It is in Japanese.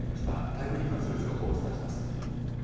台風に関する情報をお伝えします。